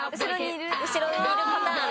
後ろにいるパターンですね。